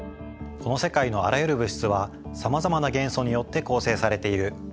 この世界のあらゆる物質はさまざまな元素によって構成されている。